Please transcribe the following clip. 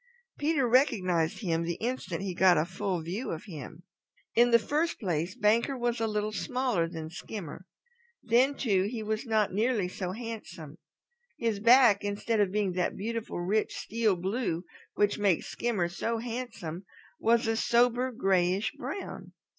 Peter recognized him the instant he got a full view of him. In the first place Banker was a little smaller than Skimmer. Then too, he was not nearly so handsome. His back, instead of being that beautiful rich steel blue which makes Skimmer so handsome, was a sober grayish brown.